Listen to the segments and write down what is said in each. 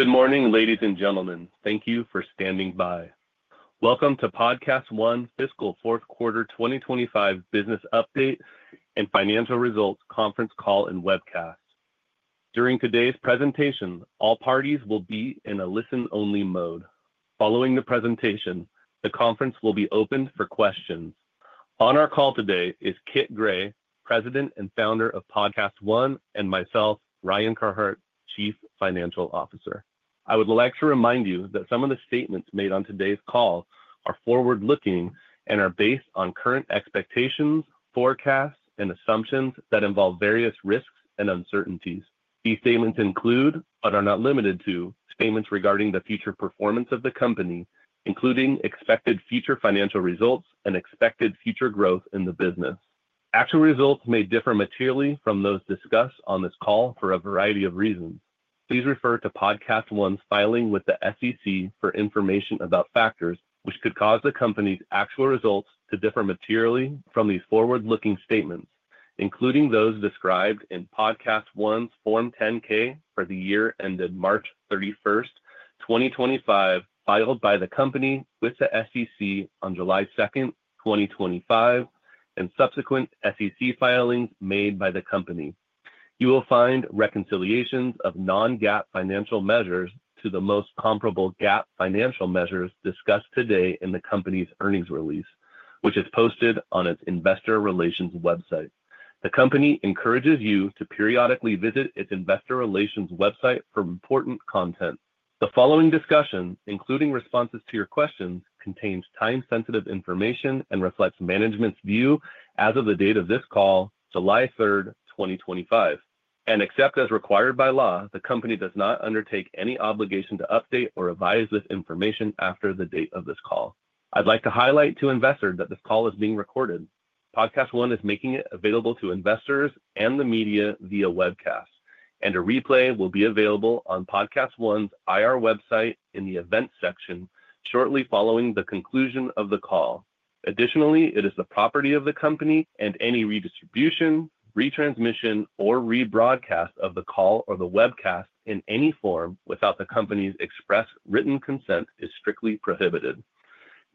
Good morning, ladies and gentlemen. Thank you for standing by. Welcome to PodcastOne fiscal fourth quarter 2025 business update and financial results conference call and webcast. During today's presentation, all parties will be in a listen-only mode. Following the presentation, the conference will be open for questions. On our call today is Kit Gray, President and Founder of PodcastOne, and myself, Ryan Carhart, Chief Financial Officer. I would like to remind you that some of the statements made on today's call are forward-looking and are based on current expectations, forecasts, and assumptions that involve various risks and uncertainties. These statements include, but are not limited to, statements regarding the future performance of the company, including expected future financial results and expected future growth in the business. Actual results may differ materially from those discussed on this call for a variety of reasons. Please refer to PodcastOne's filing with the SEC for information about factors which could cause the company's actual results to differ materially from these forward-looking statements, including those described in PodcastOne's Form 10-K for the year ended March 31st, 2025, filed by the company with the SEC on July 2nd, 2025, and subsequent SEC filings made by the company. You will find reconciliations of non-GAAP financial measures to the most comparable GAAP financial measures discussed today in the company's earnings release, which is posted on its investor relations website. The company encourages you to periodically visit its investor relations website for important content. The following discussion, including responses to your questions, contains time-sensitive information and reflects management's view as of the date of this call, July 3rd, 2025. Except as required by law, the company does not undertake any obligation to update or revise this information after the date of this call. I would like to highlight to investors that this call is being recorded. PodcastOne is making it available to investors and the media via webcast, and a replay will be available on PodcastOne's IR website in the event section shortly following the conclusion of the call. Additionally, it is the property of the company, and any redistribution, retransmission, or rebroadcast of the call or the webcast in any form without the company's express written consent is strictly prohibited.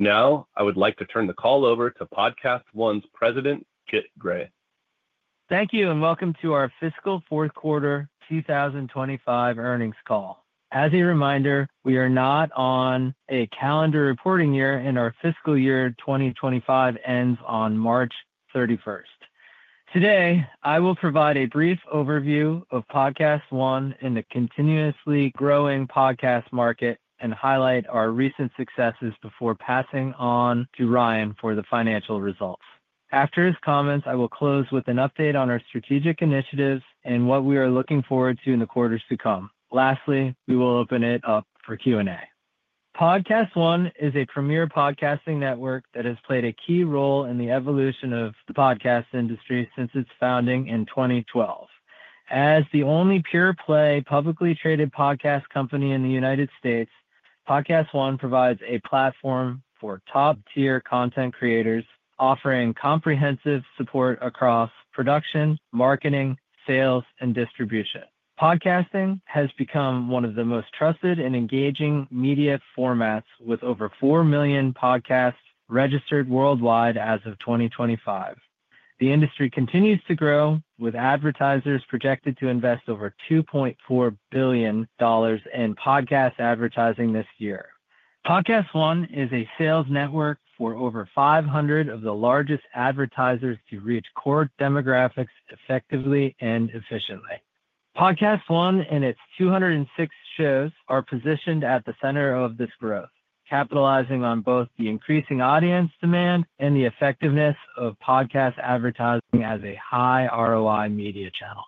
I would like to turn the call over to PodcastOne's President, Kit Gray. Thank you, and welcome to our fiscal fourth quarter 2025 earnings call. As a reminder, we are not on a calendar reporting year, and our fiscal year 2025 ends on March 31st. Today, I will provide a brief overview of PodcastOne in the continuously growing podcast market and highlight our recent successes before passing on to Ryan for the financial results. After his comments, I will close with an update on our strategic initiatives and what we are looking forward to in the quarters to come. Lastly, we will open it up for Q&A. PodcastOne is a premier podcasting network that has played a key role in the evolution of the podcast industry since its founding in 2012. As the only pure-play publicly traded podcast company in the United States, PodcastOne provides a platform for top-tier content creators, offering comprehensive support across production, marketing, sales, and distribution. Podcasting has become one of the most trusted and engaging media formats, with over 4 million podcasts registered worldwide as of 2025. The industry continues to grow, with advertisers projected to invest over $2.4 billion in podcast advertising this year. PodcastOne is a sales network for over 500 of the largest advertisers to reach core demographics effectively and efficiently. PodcastOne and its 206 shows are positioned at the center of this growth, capitalizing on both the increasing audience demand and the effectiveness of podcast advertising as a high-ROI media channel.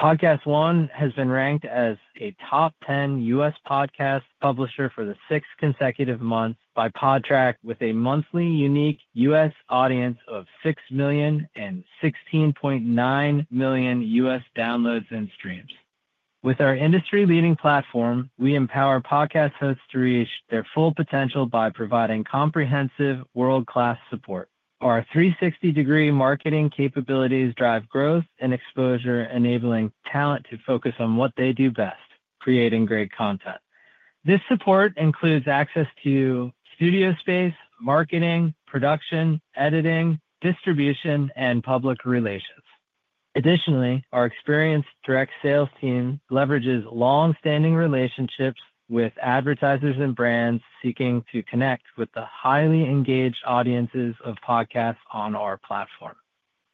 PodcastOne has been ranked as a top 10 U.S. podcast publisher for the sixth consecutive month by Podtrac, with a monthly unique U.S. audience of 6 million and 16.9 million U.S. downloads and streams. With our industry-leading platform, we empower podcast hosts to reach their full potential by providing comprehensive, world-class support. Our 360-degree marketing capabilities drive growth and exposure, enabling talent to focus on what they do best: creating great content. This support includes access to studio space, marketing, production, editing, distribution, and public relations. Additionally, our experienced direct sales team leverages long-standing relationships with advertisers and brands seeking to connect with the highly engaged audiences of podcasts on our platform.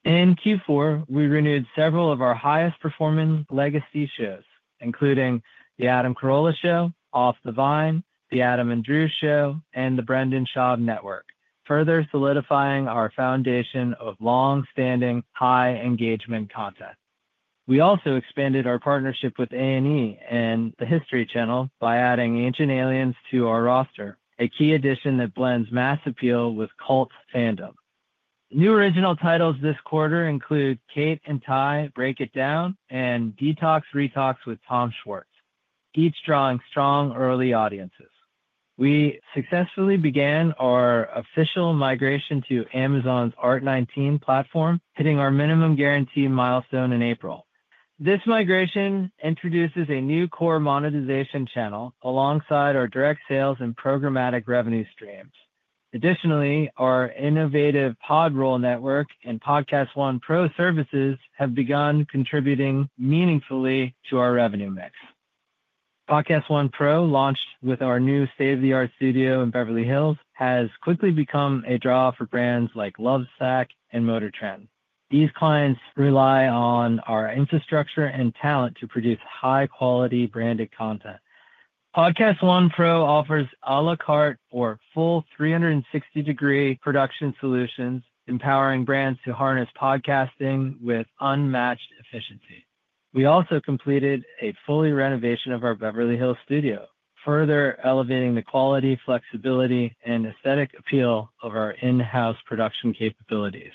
In Q4, we renewed several of our highest-performing legacy shows, including the Adam Carolla Show, Off the Vine, the Adam and Drew Show, and the Brendan Schaub Network, further solidifying our foundation of long-standing high-engagement content. We also expanded our partnership with A&E and The History Channel by adding Ancient Aliens to our roster, a key addition that blends mass appeal with cult fandom. New original titles this quarter include Cate & Ty Break It Down and Detox Retox with Tom Schwartz, each drawing strong early audiences. We successfully began our official migration to Amazon's ART19 platform, hitting our minimum guarantee milestone in April. This migration introduces a new core monetization channel alongside our direct sales and programmatic revenue streams. Additionally, our innovative PodRoll network and PodcastOne Pro services have begun contributing meaningfully to our revenue mix. PodcastOne Pro, launched with our new state-of-the-art studio in Beverly Hills, has quickly become a draw for brands like Lovesac and MotorTrend. These clients rely on our infrastructure and talent to produce high-quality branded content. PodcastOne Pro offers à la carte or full 360-degree production solutions, empowering brands to harness podcasting with unmatched efficiency. We also completed a fully renovated Beverly Hills studio, further elevating the quality, flexibility, and aesthetic appeal of our in-house production capabilities.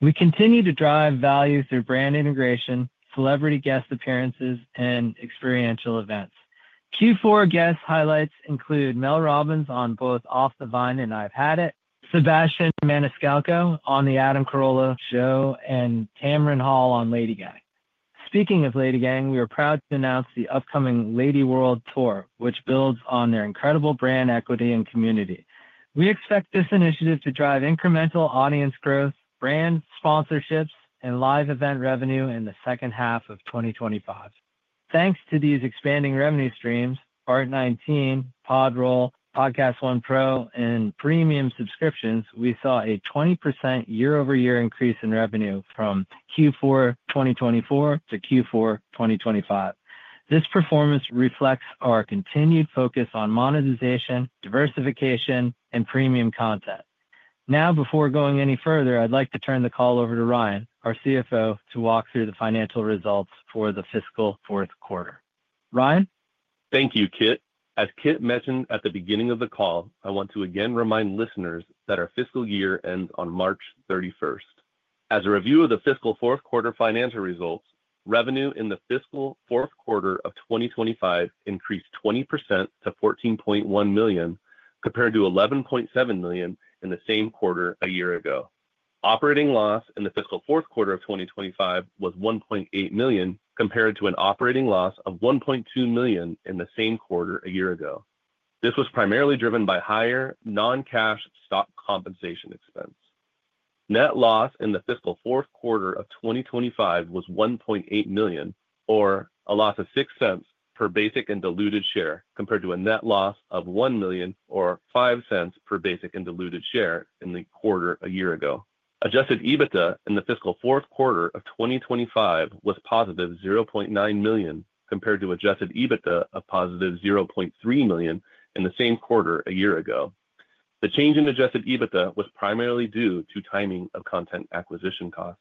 We continue to drive value through brand integration, celebrity guest appearances, and experiential events. Q4 guest highlights include Mel Robbins on both Off the Vine and I've Had It, Sebastian Maniscalco on the Adam Carolla Show, and Tamron Hall on LadyGang. Speaking of LadyGang, we are proud to announce the upcoming Lady World Tour, which builds on their incredible brand equity and community. We expect this initiative to drive incremental audience growth, brand sponsorships, and live event revenue in the second half of 2025. Thanks to these expanding revenue streams, ART19, PodRoll, PodcastOne Pro, and premium subscriptions, we saw a 20% year-over-year increase in revenue from Q4 2024 to Q4 2025. This performance reflects our continued focus on monetization, diversification, and premium content. Now, before going any further, I'd like to turn the call over to Ryan, our CFO, to walk through the financial results for the fiscal fourth quarter. Ryan. Thank you, Kit. As Kit mentioned at the beginning of the call, I want to again remind listeners that our fiscal year ends on March 31st. As a review of the fiscal fourth quarter financial results, revenue in the fiscal fourth quarter of 2025 increased 20% to $14.1 million, compared to $11.7 million in the same quarter a year ago. Operating loss in the fiscal fourth quarter of 2025 was $1.8 million, compared to an operating loss of $1.2 million in the same quarter a year ago. This was primarily driven by higher non-cash stock compensation expense. Net loss in the fiscal fourth quarter of 2025 was $1.8 million, or a loss of $0.06 per basic and diluted share, compared to a net loss of $1 million, or $0.05 per basic and diluted share in the quarter a year ago. Adjusted EBITDA in the fiscal fourth quarter of 2025 was +$0.9 million, compared to adjusted EBITDA of +$0.3 million in the same quarter a year ago. The change in adjusted EBITDA was primarily due to timing of content acquisition costs.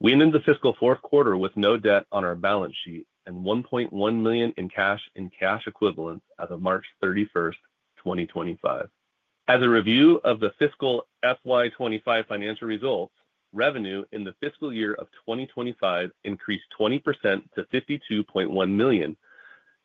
We ended the fiscal fourth quarter with no debt on our balance sheet and $1.1 million in cash and cash equivalents as of March 31st, 2025. As a review of the fiscal FY2025 financial results, revenue in the fiscal year of 2025 increased 20% to $52.1 million,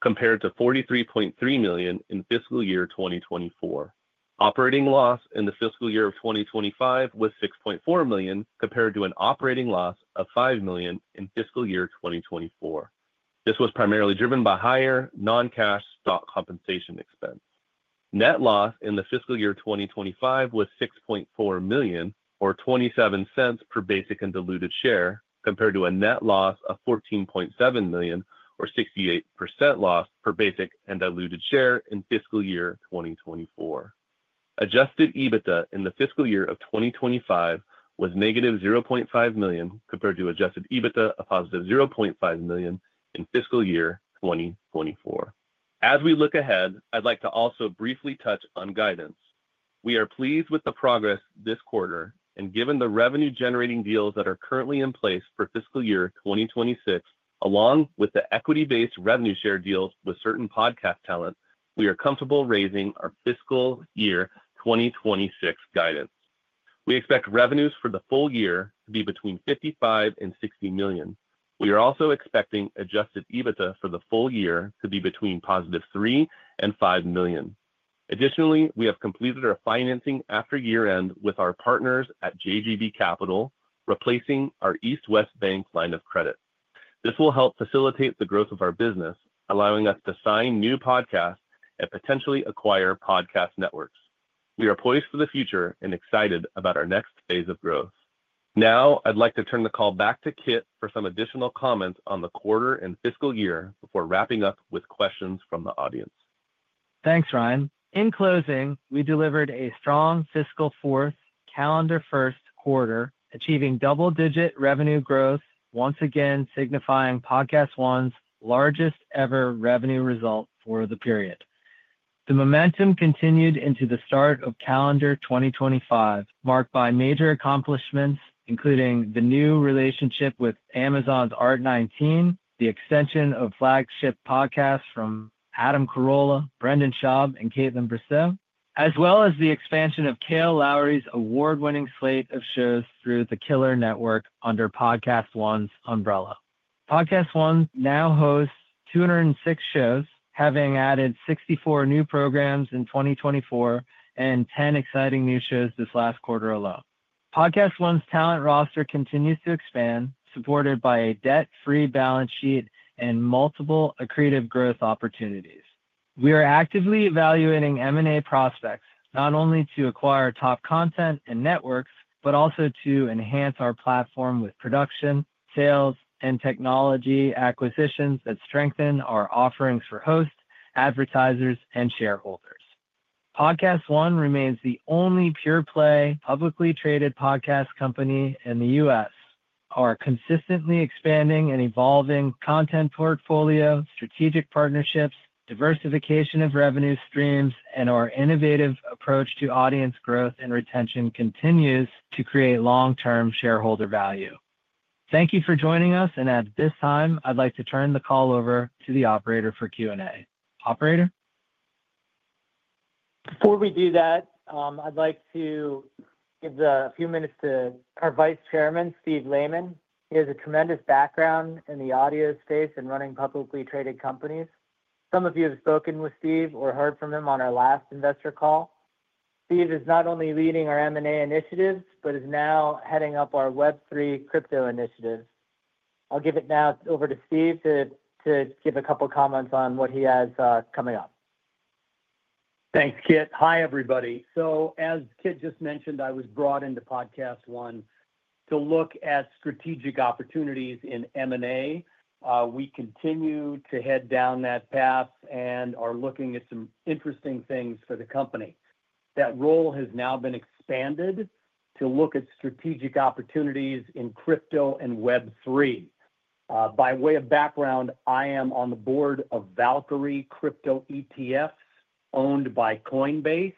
compared to $43.3 million in fiscal year 2024. Operating loss in the fiscal year of 2025 was $6.4 million, compared to an operating loss of $5 million in fiscal year 2024. This was primarily driven by higher non-cash stock compensation expense. Net loss in the fiscal year 2025 was $6.4 million, or $0.27 per basic and diluted share, compared to a net loss of $14.7 million, or 68% loss per basic and diluted share in fiscal year 2024. Adjusted EBITDA in the fiscal year of 2025 was -$0.5 million, compared to adjusted EBITDA of +$0.5 million in fiscal year 2024. As we look ahead, I'd like to also briefly touch on guidance. We are pleased with the progress this quarter, and given the revenue-generating deals that are currently in place for fiscal year 2026, along with the equity-based revenue share deals with certain podcast talent, we are comfortable raising our fiscal year 2026 guidance. We expect revenues for the full year to be between $55 million and $60 million. We are also expecting adjusted EBITDA for the full year to be between +$3 million and $5 million. Additionally, we have completed our financing after year-end with our partners at JGB Capital, replacing our East West Bank line of credit. This will help facilitate the growth of our business, allowing us to sign new podcasts and potentially acquire podcast networks. We are poised for the future and excited about our next phase of growth. Now, I'd like to turn the call back to Kit for some additional comments on the quarter and fiscal year before wrapping up with questions from the audience. Thanks, Ryan. In closing, we delivered a strong fiscal fourth, calendar-first quarter, achieving double-digit revenue growth, once again signifying PodcastOne's largest-ever revenue result for the period. The momentum continued into the start of calendar 2025, marked by major accomplishments, including the new relationship with Amazon's ART19, the extension of flagship podcasts from Adam Carolla, Brendan Schaub, and Kaitlyn Bristowe, as well as the expansion of Kail Lowry's award-winning slate of shows through the KILLR Network under PodcastOne's umbrella. PodcastOne now hosts 206 shows, having added 64 new programs in 2024 and 10 exciting new shows this last quarter alone. PodcastOne's talent roster continues to expand, supported by a debt-free balance sheet and multiple accretive growth opportunities. We are actively evaluating M&A prospects, not only to acquire top content and networks, but also to enhance our platform with production, sales, and technology acquisitions that strengthen our offerings for hosts, advertisers, and shareholders. PodcastOne remains the only pure-play publicly traded podcast company in the U.S. Our consistently expanding and evolving content portfolio, strategic partnerships, diversification of revenue streams, and our innovative approach to audience growth and retention continue to create long-term shareholder value. Thank you for joining us, and at this time, I'd like to turn the call over to the operator for Q&A. Operator. Before we do that, I'd like to give a few minutes to our Vice Chairman, Steve Lehman. He has a tremendous background in the audio space and running publicly traded companies. Some of you have spoken with Steve or heard from him on our last investor call. Steve is not only leading our M&A initiatives but is now heading up our Web3 crypto initiatives. I'll give it now over to Steve to give a couple of comments on what he has coming up. Thanks, Kit. Hi, everybody. As Kit just mentioned, I was brought into PodcastOne to look at strategic opportunities in M&A. We continue to head down that path and are looking at some interesting things for the company. That role has now been expanded to look at strategic opportunities in crypto and Web3. By way of background, I am on the Board of Valkyrie Crypto ETFs owned by Coinbase.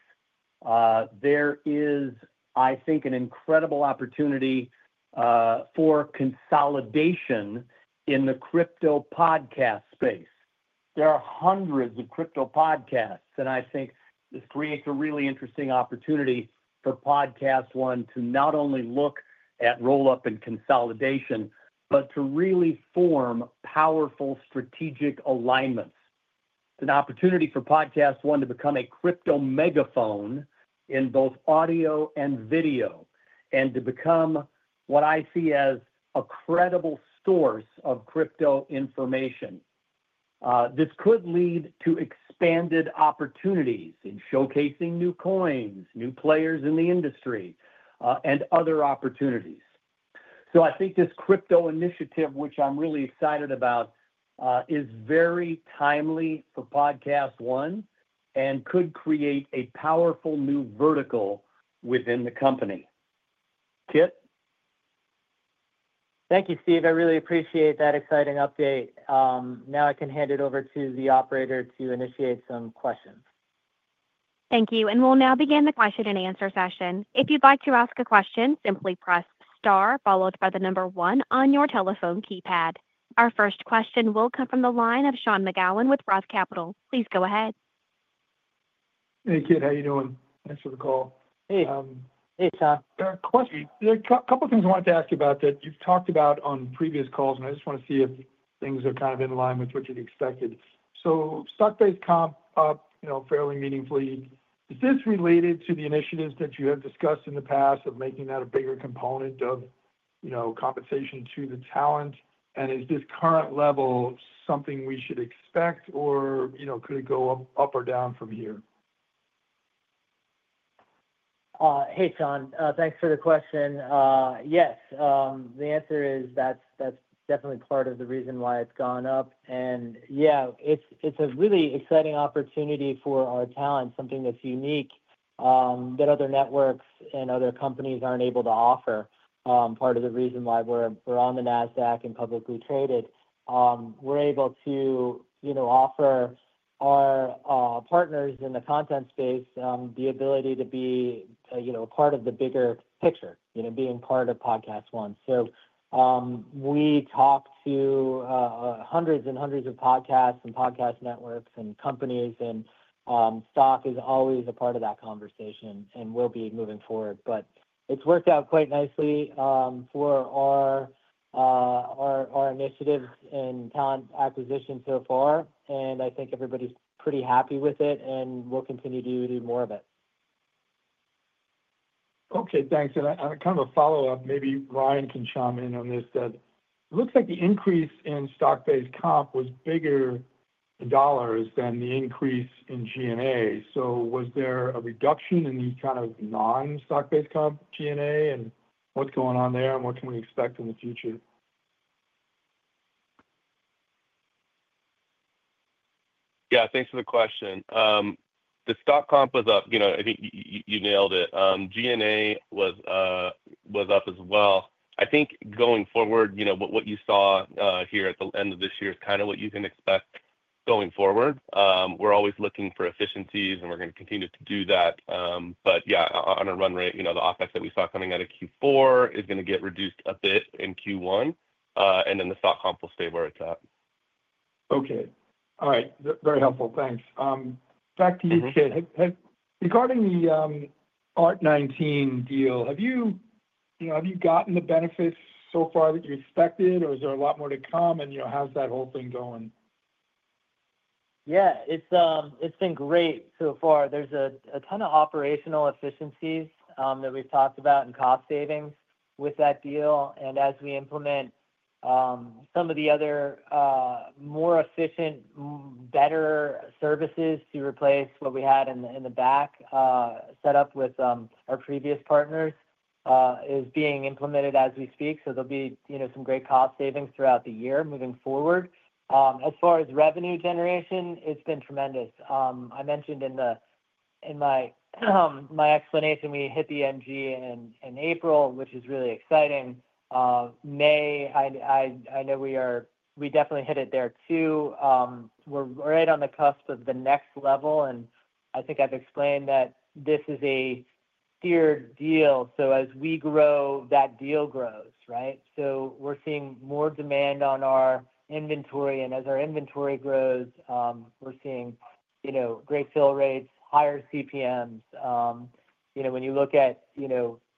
There is, I think, an incredible opportunity for consolidation in the crypto podcast space. There are hundreds of crypto podcasts, and I think this creates a really interesting opportunity for PodcastOne to not only look at roll-up and consolidation, but to really form powerful strategic alignments. It's an opportunity for PodcastOne to become a crypto megaphone in both audio and video, and to become what I see as a credible source of crypto information. This could lead to expanded opportunities in showcasing new coins, new players in the industry, and other opportunities. I think this crypto initiative, which I'm really excited about, is very timely for PodcastOne and could create a powerful new vertical within the company. Kit? Thank you, Steve. I really appreciate that exciting update. Now I can hand it over to the operator to initiate some questions. Thank you. We will now begin the question and answer session. If you'd like to ask a question, simply press star followed by the number one on your telephone keypad. Our first question will come from the line of Sean McGowan with Roth Capital. Please go ahead. Hey, Kit. How are you doing? Thanks for the call. Hey. Hey, Sean. There are a couple of things I wanted to ask you about that you've talked about on previous calls, and I just want to see if things are kind of in line with what you'd expected. Stock-based comp up fairly meaningfully. Is this related to the initiatives that you have discussed in the past of making that a bigger component of compensation to the talent? Is this current level something we should expect, or could it go up or down from here? Hey, Sean. Thanks for the question. Yes, the answer is that's definitely part of the reason why it's gone up. Yeah, it's a really exciting opportunity for our talent, something that's unique that other networks and other companies aren't able to offer. Part of the reason why we're on the NASDAQ and publicly traded, we're able to offer our partners in the content space the ability to be a part of the bigger picture, being part of PodcastOne. We talk to hundreds and hundreds of podcasts and podcast networks and companies, and stock is always a part of that conversation and will be moving forward. It's worked out quite nicely for our initiatives and talent acquisition so far, and I think everybody's pretty happy with it, and we'll continue to do more of it. Okay, thanks. Kind of a follow-up, maybe Ryan can chime in on this. It looks like the increase in stock-based comp was bigger in dollars than the increase in G&A. Was there a reduction in the kind of non-stock-based comp G&A? What's going on there, and what can we expect in the future? Yeah, thanks for the question. The stock comp was up. I think you nailed it. G&A was up as well. I think going forward, what you saw here at the end of this year is kind of what you can expect going forward. We're always looking for efficiencies, and we're going to continue to do that. Yeah, on a run rate, the OpEx that we saw coming out of Q4 is going to get reduced a bit in Q1, and then the stock comp will stay where it's at. Okay. All right. Very helpful. Thanks. Back to you, Kit. Regarding the ART19 deal, have you gotten the benefits so far that you expected, or is there a lot more to come, and how's that whole thing going? Yeah, it's been great so far. There's a ton of operational efficiencies that we've talked about and cost savings with that deal. As we implement some of the other more efficient, better services to replace what we had in the back set up with our previous partners, it's being implemented as we speak. There'll be some great cost savings throughout the year moving forward. As far as revenue generation, it's been tremendous. I mentioned in my explanation we hit the NG in April, which is really exciting. May, I know we definitely hit it there too. We're right on the cusp of the next level, and I think I've explained that this is a tiered deal. As we grow, that deal grows, right? We're seeing more demand on our inventory, and as our inventory grows, we're seeing great fill rates, higher CPMs. When you look at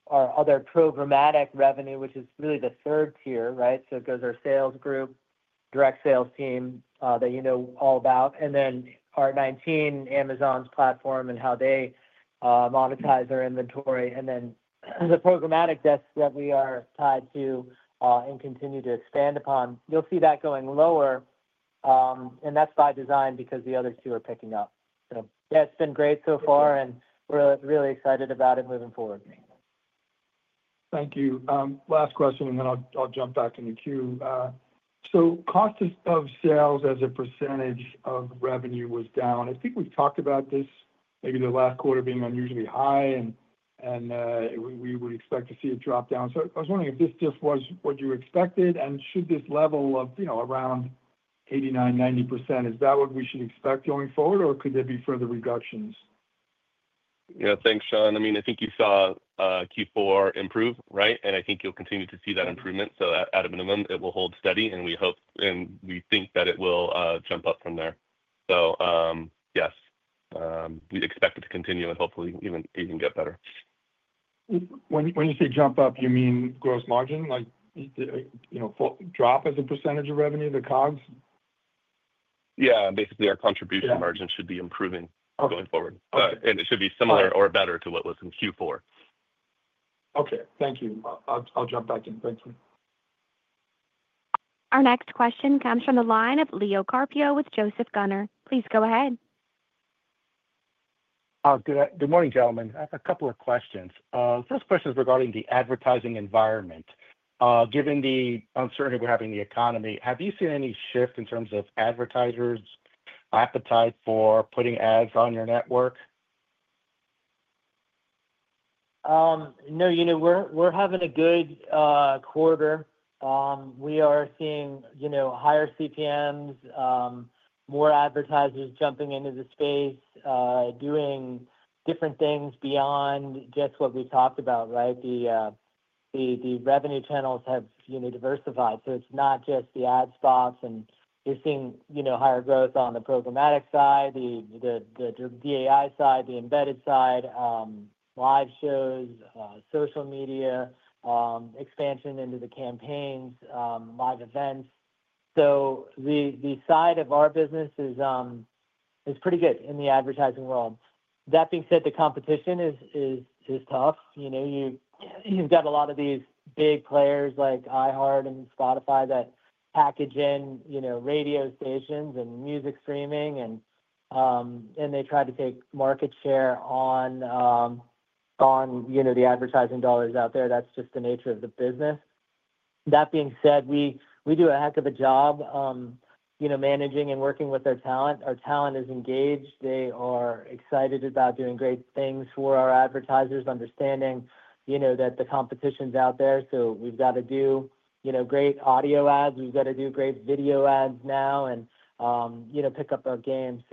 our other programmatic revenue, which is really the third tier, right? It goes our sales group, direct sales team that you know all about, and then ART19, Amazon's platform and how they monetize our inventory, and then the programmatic desk that we are tied to and continue to expand upon. You'll see that going lower, and that's by design because the other two are picking up. Yeah, it's been great so far, and we're really excited about it moving forward. Thank you. Last question, and then I'll jump back in the queue. Cost of sales as a percentage of revenue was down. I think we've talked about this, maybe the last quarter being unusually high, and we would expect to see it drop down. I was wondering if this just was what you expected, and should this level of around 89%, 90%, is that what we should expect going forward, or could there be further reductions? Yeah, thanks, Sean. I mean, I think you saw Q4 improve, right? I think you'll continue to see that improvement. At a minimum, it will hold steady, and we hope and we think that it will jump up from there. Yes, we expect it to continue, and hopefully, even get better. When you say jump up, you mean gross margin, like drop as a percentage of revenue, the COGS? Yeah, basically, our contribution margin should be improving going forward, and it should be similar or better to what was in Q4. Okay, thank you. I'll jump back in. Thanks. Our next question comes from the line of Leo Carpio with Joseph Gunnar. Please go ahead. Good morning, gentlemen. I have a couple of questions. The first question is regarding the advertising environment. Given the uncertainty we're having in the economy, have you seen any shift in terms of advertisers' appetite for putting ads on your network? No, you know we're having a good quarter. We are seeing higher CPMs, more advertisers jumping into the space, doing different things beyond just what we talked about, right? The revenue channels have diversified. So, it's not just the ad spots, and you're seeing higher growth on the programmatic side, the DAI side, the embedded side, live shows, social media expansion into the campaigns, live events. So, the side of our business is pretty good in the advertising world. That being said, the competition is tough. You've got a lot of these big players like iHeart and Spotify that package in radio stations and music streaming, and they try to take market share on the advertising dollars out there. That's just the nature of the business. That being said, we do a heck of a job managing and working with our talent. Our talent is engaged. They are excited about doing great things for our advertisers, understanding that the competition's out there. We've got to do great audio ads. We've got to do great video ads now and pick up our game.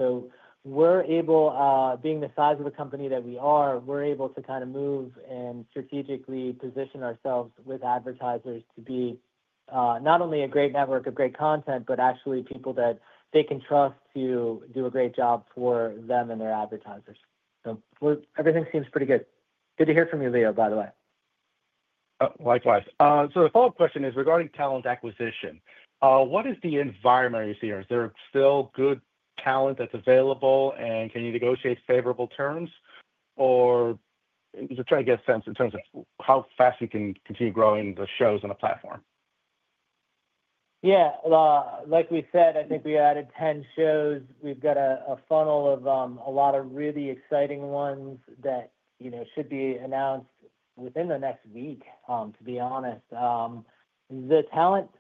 We're able, being the size of a company that we are, to kind of move and strategically position ourselves with advertisers to be not only a great network of great content, but actually people that they can trust to do a great job for them and their advertisers. Everything seems pretty good. Good to hear from you, Leo, by the way. Likewise. The follow-up question is regarding talent acquisition. What is the environment you see here? Is there still good talent that's available, and can you negotiate favorable terms, or just trying to get a sense in terms of how fast you can continue growing the shows on the platform? Yeah, like we said, I think we added 10 shows. We've got a funnel of a lot of really exciting ones that should be announced within the next week, to be honest. The talent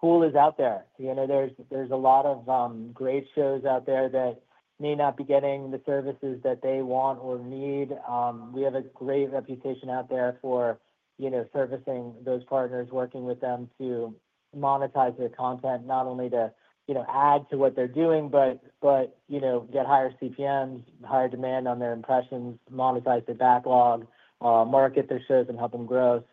pool is out there. There's a lot of great shows out there that may not be getting the services that they want or need. We have a great reputation out there for servicing those partners, working with them to monetize their content, not only to add to what they're doing, but get higher CPMs, higher demand on their impressions, monetize their backlog, market their shows, and help them grow.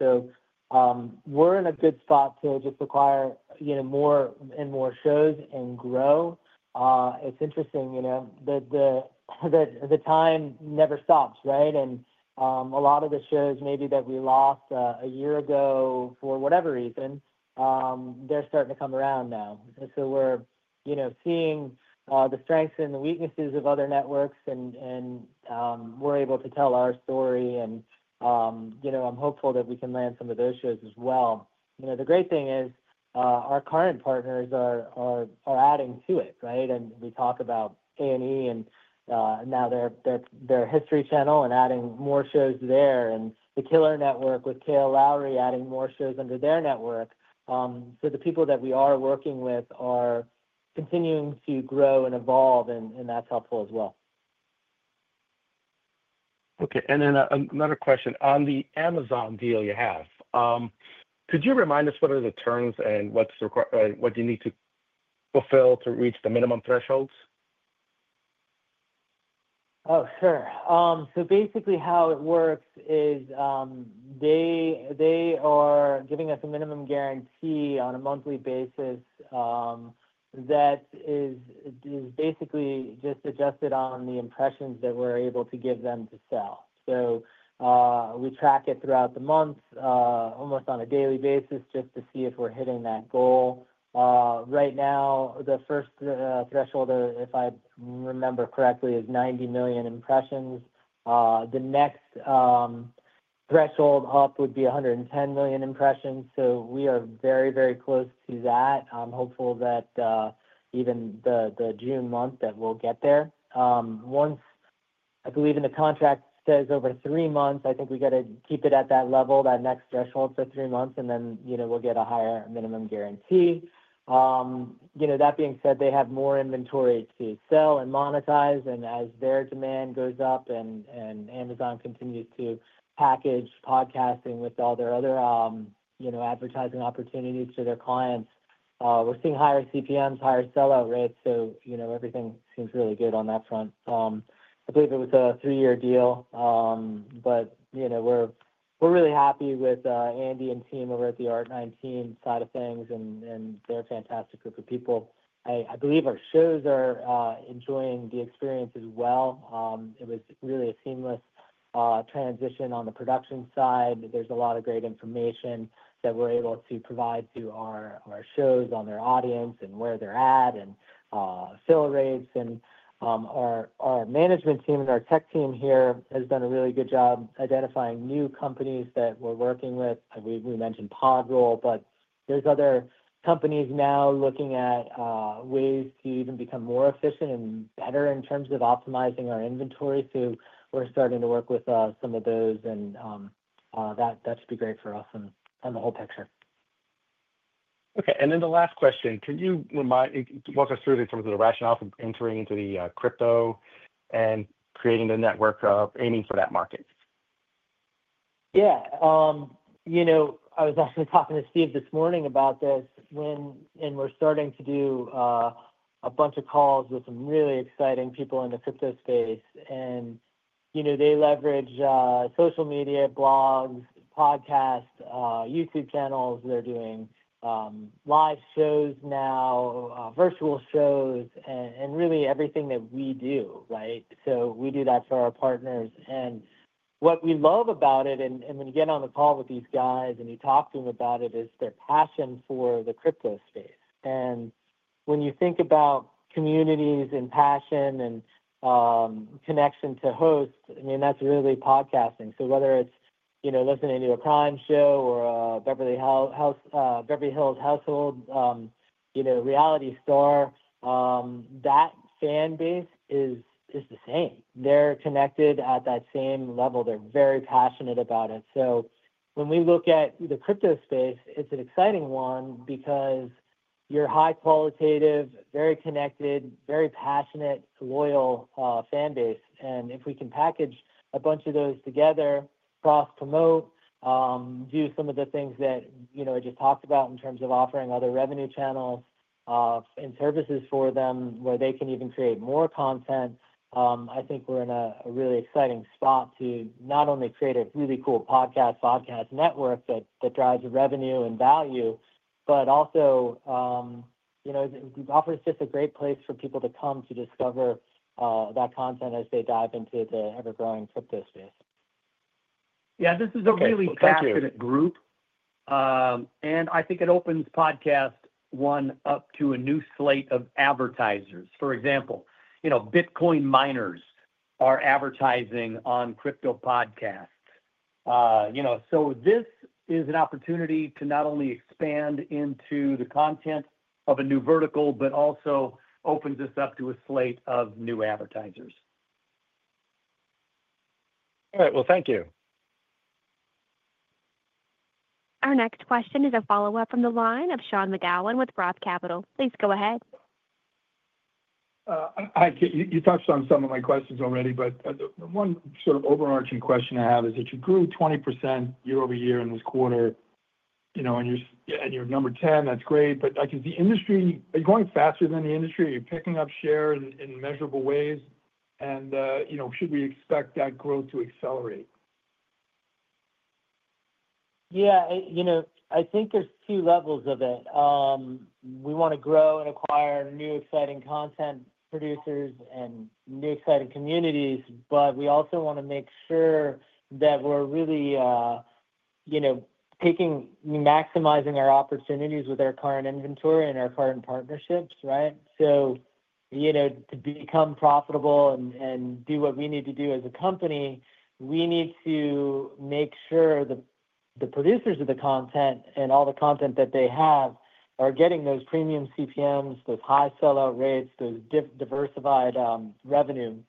We're in a good spot to just acquire more and more shows and grow. It's interesting. The time never stops, right? A lot of the shows maybe that we lost a year ago for whatever reason, they're starting to come around now. We're seeing the strengths and the weaknesses of other networks, and we're able to tell our story, and I'm hopeful that we can land some of those shows as well. The great thing is our current partners are adding to it, right? We talk about A&E and now their History Channel and adding more shows there, and the KILLR Network with Kail Lowry adding more shows under their network. The people that we are working with are continuing to grow and evolve, and that's helpful as well. Okay. Another question. On the Amazon deal you have, could you remind us what are the terms and what do you need to fulfill to reach the minimum thresholds? Oh, sure. So, basically, how it works is they are giving us a minimum guarantee on a monthly basis that is basically just adjusted on the impressions that we're able to give them to sell. We track it throughout the month, almost on a daily basis, just to see if we're hitting that goal. Right now, the first threshold, if I remember correctly, is 90 million impressions. The next threshold up would be 110 million impressions. We are very, very close to that. I'm hopeful that even the June month that we'll get there. Once, I believe in the contract says over three months, I think we got to keep it at that level, that next threshold for three months, and then we'll get a higher minimum guarantee. That being said, they have more inventory to sell and monetize, and as their demand goes up and Amazon continues to package podcasting with all their other advertising opportunities to their clients, we're seeing higher CPMs, higher sell-out rates. Everything seems really good on that front. I believe it was a three-year deal, but we're really happy with Andy and team over at the ART19 side of things, and they're a fantastic group of people. I believe our shows are enjoying the experience as well. It was really a seamless transition on the production side. There's a lot of great information that we're able to provide to our shows on their audience and where they're at and sell rates. Our management team and our tech team here has done a really good job identifying new companies that we're working with. We mentioned PodRoll, but there are other companies now looking at ways to even become more efficient and better in terms of optimizing our inventory. We are starting to work with some of those, and that should be great for us and the whole picture. Okay. And then the last question, can you walk us through in terms of the rationale for entering into the crypto and creating a network aiming for that market? Yeah. I was actually talking to Steve this morning about this, and we're starting to do a bunch of calls with some really exciting people in the crypto space. They leverage social media, blogs, podcasts, YouTube channels. They're doing live shows now, virtual shows, and really everything that we do, right? We do that for our partners. What we love about it, and when you get on the call with these guys and you talk to them about it, is their passion for the crypto space. When you think about communities and passion and connection to hosts, I mean, that's really podcasting. Whether it's listening to a crime show or a Beverly Hills household reality star, that fan base is the same. They're connected at that same level. They're very passionate about it. When we look at the crypto space, it's an exciting one because you're high qualitative, very connected, very passionate, loyal fan base. If we can package a bunch of those together, cross-promote, do some of the things that I just talked about in terms of offering other revenue channels and services for them where they can even create more content, I think we're in a really exciting spot to not only create a really cool podcast, podcast network that drives revenue and value, but also offers just a great place for people to come to discover that content as they dive into the ever-growing crypto space. Yeah, this is a really passionate group, and I think it opens PodcastOne up to a new slate of advertisers. For example, Bitcoin miners are advertising on crypto podcasts. This is an opportunity to not only expand into the content of a new vertical, but also opens us up to a slate of new advertisers. All right. Thank you. Our next question is a follow-up from the line of Sean McGowan with Roth Capital. Please go ahead. You touched on some of my questions already, but one sort of overarching question I have is that you grew 20% year over year in this quarter, and you're number 10. That's great. I can see industry, are you going faster than the industry? Are you picking up share in measurable ways? Should we expect that growth to accelerate? Yeah. I think there's two levels of it. We want to grow and acquire new exciting content producers and new exciting communities, but we also want to make sure that we're really taking maximizing our opportunities with our current inventory and our current partnerships, right? To become profitable and do what we need to do as a company, we need to make sure the producers of the content and all the content that they have are getting those premium CPMs, those high sell-out rates, those diversified revenues.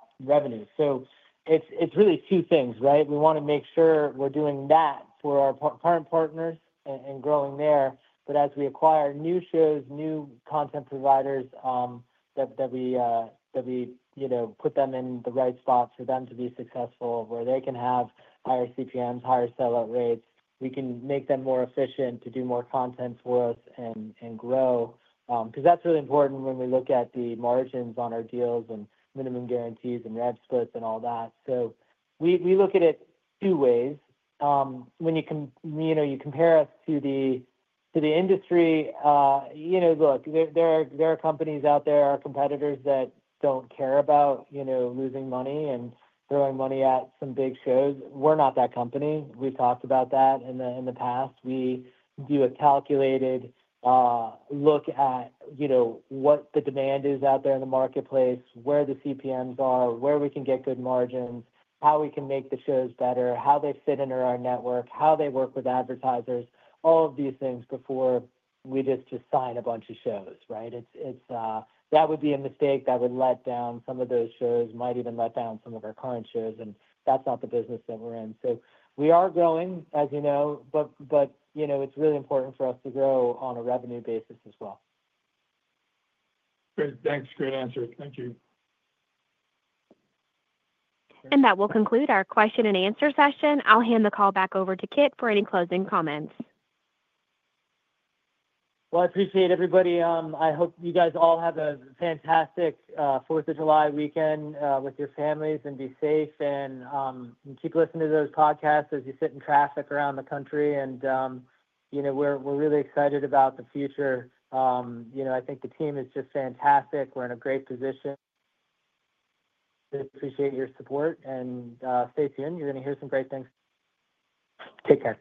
It's really two things, right? We want to make sure we're doing that for our current partners and growing there, but as we acquire new shows, new content providers, that we put them in the right spot for them to be successful, where they can have higher CPMs, higher sell-out rates. We can make them more efficient to do more content for us and grow because that's really important when we look at the margins on our deals and minimum guarantees and rev splits and all that. We look at it two ways. When you compare us to the industry, look, there are companies out there, our competitors that don't care about losing money and throwing money at some big shows. We're not that company. We've talked about that in the past. We do a calculated look at what the demand is out there in the marketplace, where the CPMs are, where we can get good margins, how we can make the shows better, how they fit into our network, how they work with advertisers, all of these things before we just assign a bunch of shows, right? That would be a mistake that would let down some of those shows, might even let down some of our current shows, and that's not the business that we're in. We are growing, as you know, but it's really important for us to grow on a revenue basis as well. Great. Thanks. Great answer. Thank you. That will conclude our question and answer session. I'll hand the call back over to Kit for any closing comments. I appreciate everybody. I hope you guys all have a fantastic 4th of July weekend with your families and be safe and keep listening to those podcasts as you sit in traffic around the country. We are really excited about the future. I think the team is just fantastic. We are in a great position. Appreciate your support and stay tuned. You are going to hear some great things. Take care.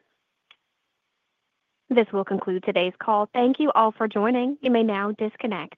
This will conclude today's call. Thank you all for joining. You may now disconnect.